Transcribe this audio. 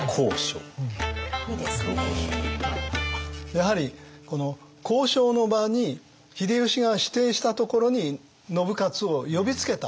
やはりこの交渉の場に秀吉が指定したところに信雄を呼びつけた。